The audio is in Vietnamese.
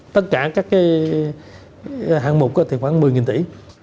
tất cả các hạng mục thì khoảng một mươi tỷ